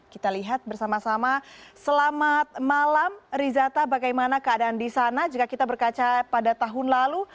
kita lihat bersama sama selamat malam rizata bagaimana keadaan di sana jika kita berkaca pada tahun lalu